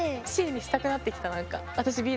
Ｃにしたくなってきた何か。